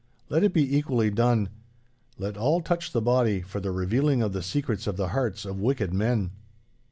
Let it be equally done. Let all touch the body, for the revealing of the secrets of the hearts of wicked men.